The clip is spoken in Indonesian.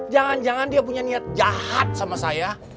jangan jangan dia punya niat jahat sama saya